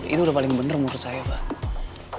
itu udah paling bener menurut saya mbah